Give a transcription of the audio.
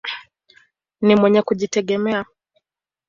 Ni mwenye kujitegemea.